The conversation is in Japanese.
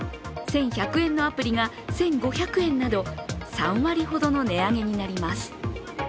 １１００円のアプリが１５００円など、３割ほどの値上げになります。